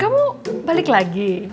kamu balik lagi